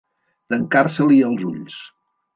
Tancar-se-li els ulls.